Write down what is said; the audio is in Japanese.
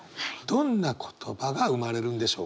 どんな言葉が生まれるんでしょうか？